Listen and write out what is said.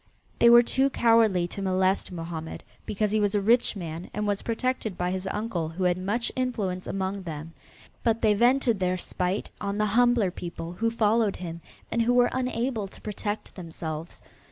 They were too cowardly to molest Mohammed, because he was a rich man and was protected by his uncle who had much influence among them, but they vented their spite on the humbler people who followed him and who were unable to protect themselves.